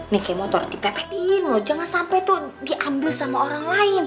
nih kayak motor di pet petin loh jangan sampe tuh diambil sama orang lain